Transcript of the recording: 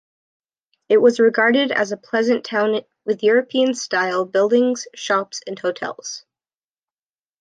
It was regarded as a pleasant town with European style buildings, shops, and hotels.